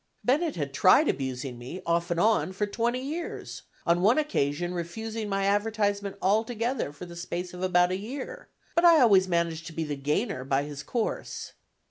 Bennett had tried abusing me, off and on, for twenty years, on one occasion refusing my advertisement altogether for the space of about a year; but I always managed to be the gainer by his course.